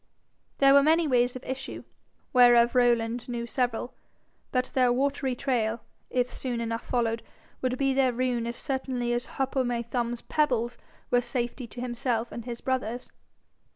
There were many ways of issue, whereof Rowland knew several; but their watery trail, if soon enough followed, would be their ruin as certainly as Hop o' my Thumb's pebbles were safety to himself and his brothers.